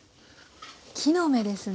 木の芽ですね。